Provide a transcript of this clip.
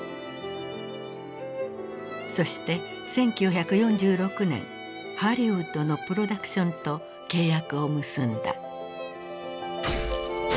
そして１９４６年ハリウッドのプロダクションと契約を結んだ。